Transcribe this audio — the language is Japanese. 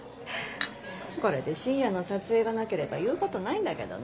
これで深夜の撮影がなければ言うことないんだけどね。